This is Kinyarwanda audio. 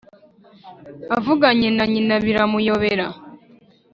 avuganye na nyina biramuyobera